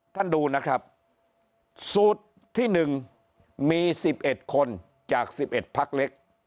ท่านดูนะครับสูตรที่๑มี๑๑คนจาก๑๑พักเล็ก